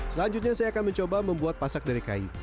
selanjutnya saya akan mencoba membuat pasak dari kayu